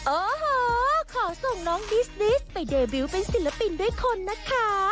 โอ้โหขอส่งน้องดิสดิสไปเดบิวต์เป็นศิลปินด้วยคนนะคะ